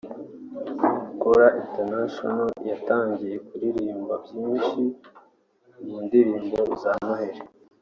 Choeur International yatangiye kuririmba nyinshi mu ndirimbo za Noheli